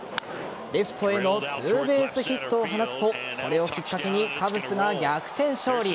レフトへのツーベースヒットを放つとこれをきっかけにカブスが逆転勝利。